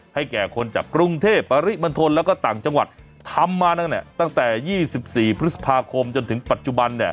แก่คนจากกรุงเทพปริมณฑลแล้วก็ต่างจังหวัดทำมาตั้งแต่๒๔พฤษภาคมจนถึงปัจจุบัน